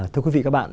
thưa quý vị các bạn